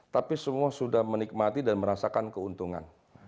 tapi semua sudah menikmati dan merasakan keuntungan